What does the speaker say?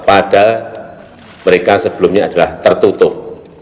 pada mereka sebelumnya adalah tertutup